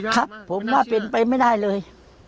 ครับผมว่าเป็นไปไม่ได้เลย